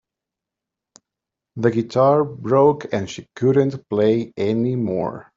The guitar broke and she couldn't play anymore.